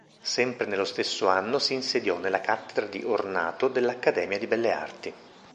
Sempre nello stesso anno si insediò nella cattedra di Ornato dell'Accademia di Belle Arti.